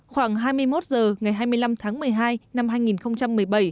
khoảng hai mươi một h ngày hai mươi năm tháng một mươi hai năm hai nghìn một mươi bảy